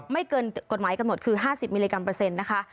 ไม่เกินกฎหมายกำหนดคือ๕๐มิลลิกรัมเปอร์เซ็นต์นะคะ